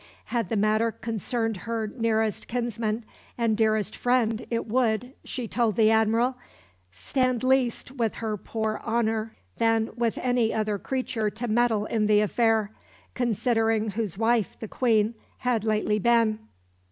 Had the matter concerned her nearest kinsman and dearest friend it would, she told the Admiral, stand least with her poor honour than with any other creature to meddle in the affair, considering whose wife the Queen had lately been.